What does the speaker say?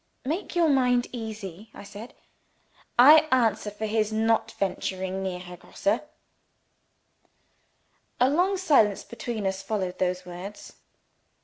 "Make your mind easy," I said. "I answer for his not venturing near Herr Grosse." A long silence between us followed those words.